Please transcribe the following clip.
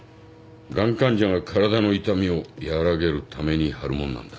がん患者が体の痛みを和らげるためにはるものなんだ。